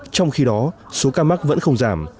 trong khi đó số ca mắc vẫn không giảm